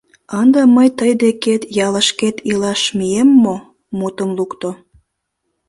— Ынде мый тый декет ялышкет илаш мием мо? — мутым лукто.